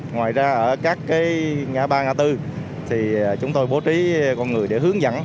ngoài ra ở các ngã ba ngã tư thì chúng tôi bố trí con người để hướng dẫn